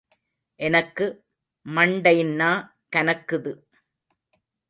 எனக்கு மண்டைன்னா கனக்குது!...